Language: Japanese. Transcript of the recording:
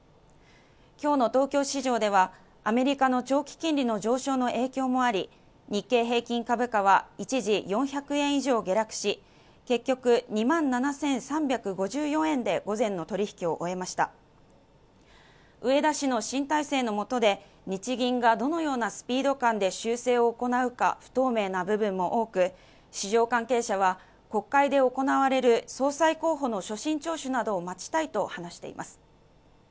きょうの東京市場ではアメリカの長期金利の上昇の影響もあり日経平均株価は一時４００円以上下落し結局２万７３５４円で午前の取引を終えました植田氏の新体制の下で日銀がどのようなスピード感で修正を行うか不透明な部分も多く市場関係者は国会で行われる総裁候補の所信聴取などを待ちたいと話しています